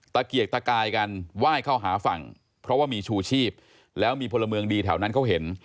ตะเกียกตะกายกันไหว้เข้าหาฝั่งเพราะว่ามีชูชีพแล้วมีพลเมืองดีแถวนั้นเขาเห็น